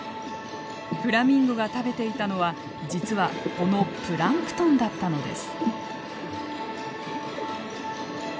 フラミンゴが食べていたのは実はこのプランクトンだったのです。